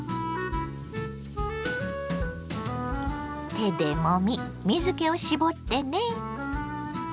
手でもみ水けを絞ってね。